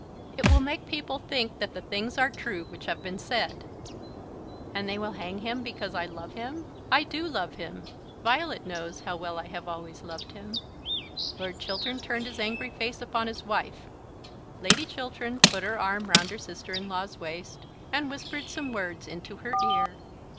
"It will make people think that the things are true which have been said." "And will they hang him because I love him? I do love him. Violet knows how well I have always loved him." Lord Chiltern turned his angry face upon his wife. Lady Chiltern put her arm round her sister in law's waist, and whispered some words into her ear.